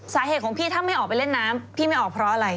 สาเหตุของพี่ถ้าไม่ออกไปเล่นน้ำพี่ไม่ออกเพราะอะไร